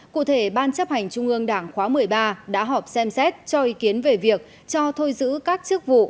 cụ thể ban chấp hành trung ương đảng khóa một mươi ba đã họp xem xét cho ý kiến về việc cho thôi giữ các chức vụ